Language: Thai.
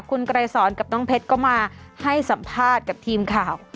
คุณไกรสอนกับน้องเพชรก็มาให้สัมภาษณ์กับทีมข่าว